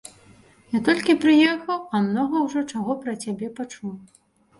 Я толькі прыехаў, а многа ўжо чаго пра цябе пачуў.